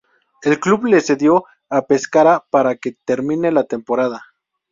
El club lo cedió a Pescara para que termine la temporada.